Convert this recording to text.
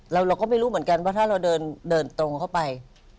เราก็ไม่รู้เหมือนกันว่าถ้าเราเดินตรงเข้าไป